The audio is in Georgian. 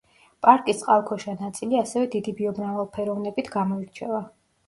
პარკის წყალქვეშა ნაწილი ასევე დიდი ბიომრავალფეროვნებით გამოირჩევა.